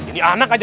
ini anak aja